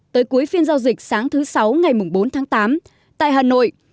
tới cuối phiên giao dịch sáng thứ sáu ngày bốn tháng tám tại hà nội